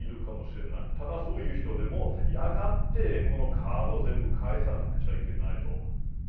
ただそういう人でもやがてこのカード全部返さなくちゃいけないと。